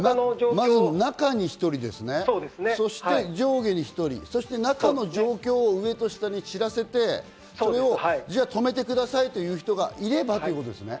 まず中に１人ですね、上下に１人、中の状況を上と下に知らせて止めてくださいという人がいればということですね。